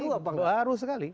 sekarang ini baru sekali